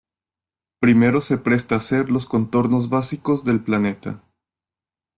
Primero se presta a hacer los contornos básicos del planeta.